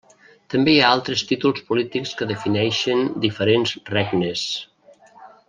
També hi ha altres títols polítics que defineixen diferents regnes.